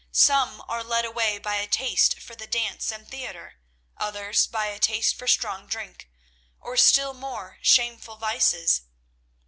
Some are led away by a taste for the dance and theatre, others by a taste for strong drink, or still more shameful vices.